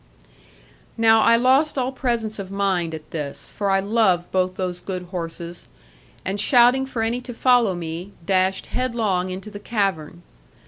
Now I lost all presence of mind at this, for I loved both those good horses, and shouting for any to follow me, dashed headlong into the cavern.